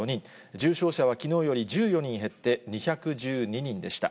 重症者はきのうより１４人減って２１２人でした。